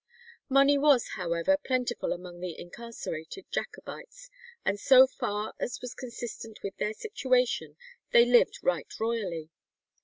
Money was, however, plentiful among the incarcerated Jacobites, and so far as was consistent with their situation, they lived right royally.